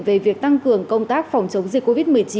về việc tăng cường công tác phòng chống dịch covid một mươi chín